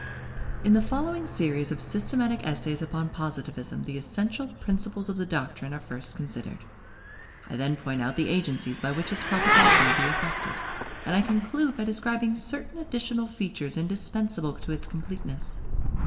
In the following series of systematic essays upon Positivism the essential principles of the doctrine are first considered; I then point out the agencies by which its propagation will be effected; and I conclude by describing certain additional features indispensable to its completeness.